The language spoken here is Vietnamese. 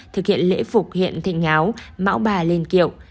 thực hiện lễ phục hiện thịnh áo mão bà lên kiệu